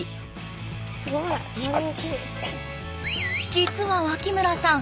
実は脇村さん